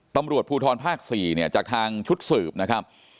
ตำรวจภูทรภาค๔เนี่ยจากทางชุดสืบนะครับ